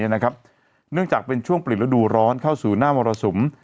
เนื่องจากเป็นช่วงปริศนาธิบาลร้อนเข้าสู่หน้าวรสุม